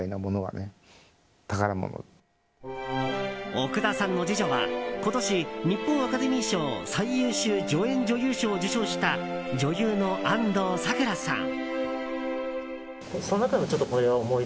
奥田さんの次女は今年、日本アカデミー賞最優秀助演女優賞を受賞した女優の安藤サクラさん。